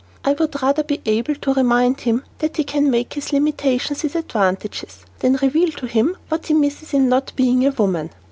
I would rather be able to remind him that he can make his limitations his advantages, than reveal to him what he misses in not being a woman.